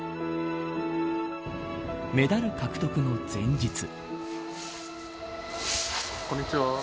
メダル獲得の前日。